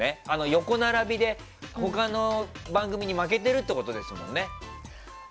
横並びで他の番組に負けてるってことですもんね。